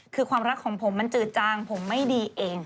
คือความรักของผมมันจืดจางผมไม่ดีเอง